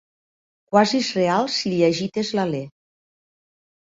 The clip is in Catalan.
Quasi és real si li agites l'alè.